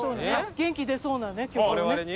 元気出そうなね曲をね。